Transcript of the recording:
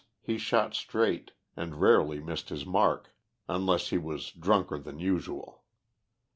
he shot straight, and rarely missed his mark, unless he was drunker than usual.